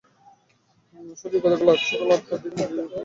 সজীব গতকাল সকাল আটটার দিকে মুরগির খামারের পাশ দিয়ে বাজারে যাচ্ছিল।